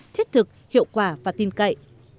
thiết thực hiệu quả và tin cậy